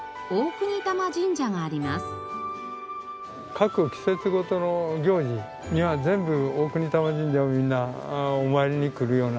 各季節ごとの行事には全部大國魂神社にみんなお参りにくるような。